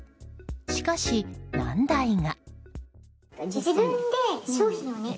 しかし、難題が。